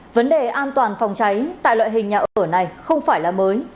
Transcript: vấn đề an toàn phòng cháy tại loại hình nhà ở này không phải là mới